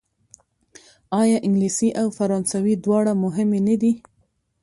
آیا انګلیسي او فرانسوي دواړه مهمې نه دي؟